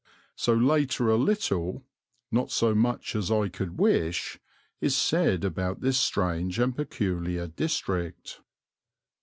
So later a little not so much as I could wish is said about this strange and peculiar district.